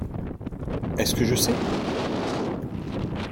Est-ce que je sais !